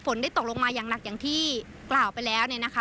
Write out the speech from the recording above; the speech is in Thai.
ได้ตกลงมาอย่างหนักอย่างที่กล่าวไปแล้วเนี่ยนะคะ